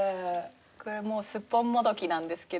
これもスッポンモドキなんですけど。